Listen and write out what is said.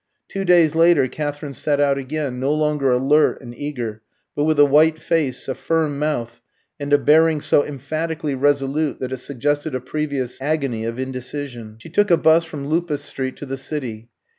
Two days later Katherine set out again, no longer alert and eager, but with a white face, a firm mouth, and a bearing so emphatically resolute that it suggested a previous agony of indecision. She took a 'bus from Lupus Street to the City.